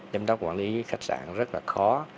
giám đốc quản lý khách sạn rất là khó